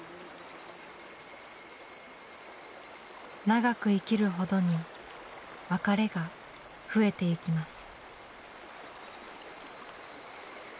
長く生きるほどに別れが増えていきます。